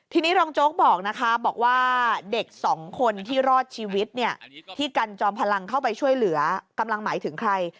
ทีนี้รองโจ๊กบอกนะคะบอกว่าเด็กสองคนที่รอดชีวิตเนี่ยที่กันจอมพลังเข้าไปช่วยเหลือกำลังหมายถึงใคร